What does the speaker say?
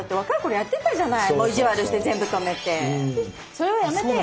それはやめてよ。